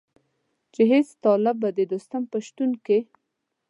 چې هېڅ طالب به د دوستم په شتون کې.